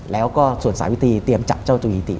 แล้วก็ส่วนสาวิตรีเตรียมจับเจ้าตัวยิติ